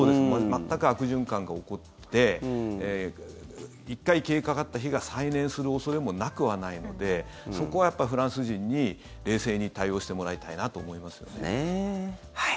全く悪循環が起こって１回消えかかった火が再燃する恐れもなくはないのでそこはやっぱフランス人に冷静に対応してもらいたいなと思いますよね。